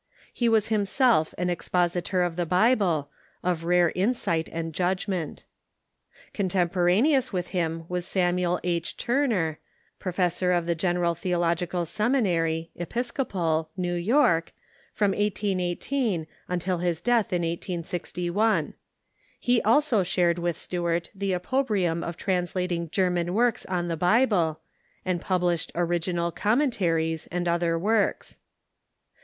He was himself an expositor of the Bible, of rare insight and judgment. Contemporaneous Stuart with him was Samuel H. Turner, professor in the Gen Turner, eral Theological Seminary (Episcopal), New York, from Robinson jg^g ^^^^^ j j^j^ cleath, in 1861. He also shared with Stuart the opprobrium of translating German works on the Bi ble, and published original "Commentaries" and other works.